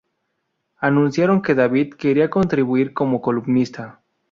Anunciaron que David quería contribuir como columnista.